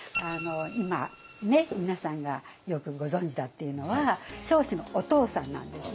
今皆さんがよくご存じだっていうのは彰子のお父さんなんですね。